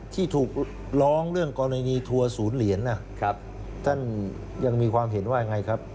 ที่ถูกร้องเรื่องกรณีทัวร์ศูนย์เหรียญท่านยังมีความเห็นว่ายังไงครับ